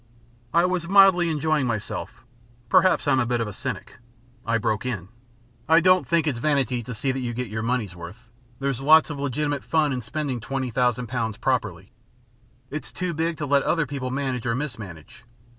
I was mildly enjoying myself. Perhaps I'm a bit of a cynic. I broke in. "I don't think it's vanity to see that you get your money's worth. There's lots of legitimate fun in spending twenty thousand pounds properly. It's too big to let other people manage or mis manage.